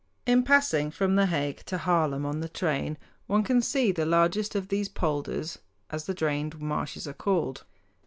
In passing from The Hague to Haarlem on the train one can see the largest of these "polders," as the drained marshes are called.